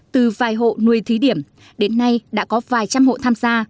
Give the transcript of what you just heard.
từ vài hộ nuôi thí điểm đến nay đã có vài trăm hộ tham gia